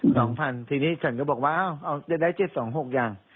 สองพันทีนี้ฉันก็บอกว่าอ้าวจะได้เจ็ดสองหกอย่าง